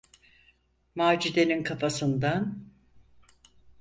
Macide’nin kafasından: